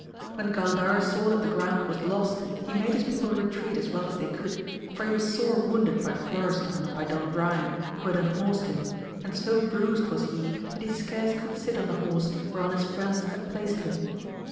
When Gaidar saw that the ground was lost, he made his people retreat as well as they could, for he was sore wounded by Florestan and by Don Brian, who had unhorsed him, and so bruised was he that he scarce could sit on the horse whereon his friends had placed him.